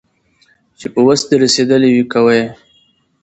چي په وس دي رسېدلي وي كوه يې